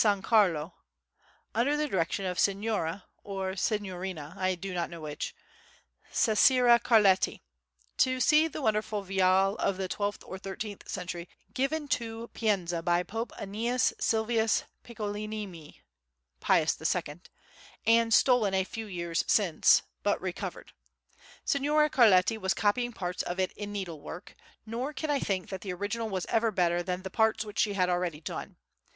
Carlo, under the direction of Signora (or Signorina, I do not know which) Cesira Carletti, to see the wonderful Viale of the twelfth or thirteenth century given to Pienza by Pope Æneas Sylvius Piccolomini (Pius II) and stolen a few years since, but recovered. Signora Carletti was copying parts of it in needlework, nor can I think that the original was ever better than the parts which she had already done.